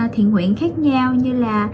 thiện nguyện khác nhau như là